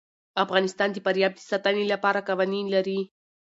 افغانستان د فاریاب د ساتنې لپاره قوانین لري.